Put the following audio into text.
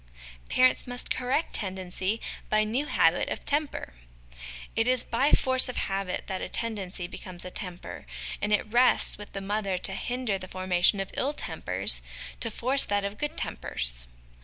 Parents must correct Tendency by New Habit of Temper. It is by force of habit that a tendency becomes a temper; and it rests with the mother to hinder the formation of ill tempers, to force that of good tempers.